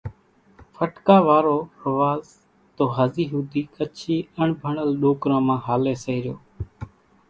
پٽڪا وارو رواز تو هزِي ۿوُڌِي ڪڇِي اڻڀڻل ڏوڪران مان هاليَ سي ريو۔